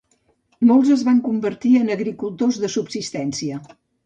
Molts es van convertir en agricultors de subsistència.